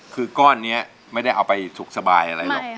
คือก้อนนี้ไม่ได้เอาไปสุขสบายอะไรหรอก